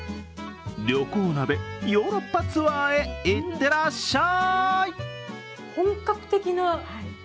旅行鍋ヨーロッパツアーへいってらっしゃい！